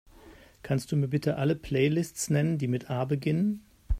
Kannst Du mir bitte alle Playlists nennen, die mit A beginnen?